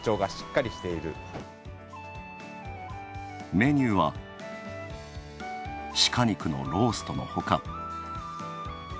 メニューは鹿肉のローストのほか。